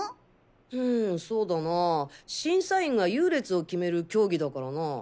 うんそうだなあ審査員が優劣を決める競技だからな。